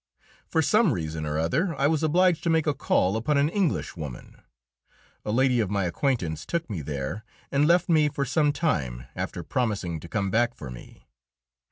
For some reason or other I was obliged to make a call upon an Englishwoman. A lady of my acquaintance took me there, and left me for some time, after promising to come back for me.